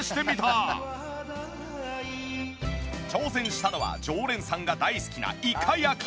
挑戦したのは常連さんが大好きなイカ焼き。